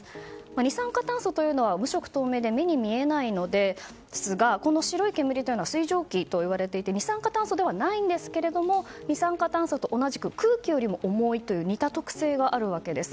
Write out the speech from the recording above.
二酸化炭素というのは無色透明で目に見えないのですがこの白い煙は水蒸気といわれていて二酸化炭素ではないんですけれども二酸化炭素と同じく空気よりも重いという似た特性があるわけです。